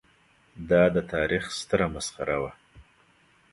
دا د تاریخ ستره مسخره وه.